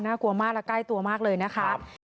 กลัวมากและใกล้ตัวมากเลยนะคะ